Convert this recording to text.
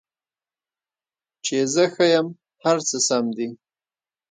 چې زه ښه یم، هر څه سم دي